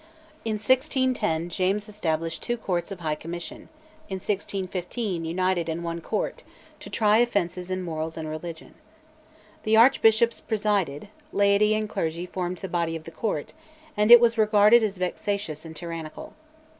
In 1610 James established two Courts of High Commission (in 1615 united in one Court) to try offences in morals and religion. The Archbishops presided, laity and clergy formed the body of the Court, and it was regarded as vexatious and tyrannical.